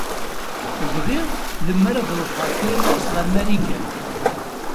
Bɣiɣ lemmer ad ruḥeɣ kra n wass ɣer Marikan.